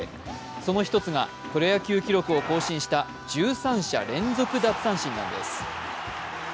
その一つがプロ野球記録を更新した１３者連続奪三振なんです。